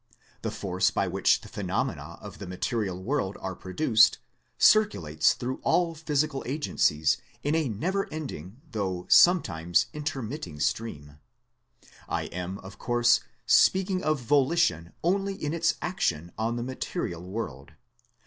The force by which the phenomena of the material world are pro duced, circulates through all physical agencies in a never ending though sometimes intermitting stream. I am, of course, speaking of volition only in its action on the material world.